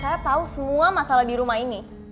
saya tahu semua masalah di rumah ini